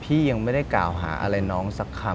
พี่ยังไม่ได้กล่าวหาอะไรน้องสักคำ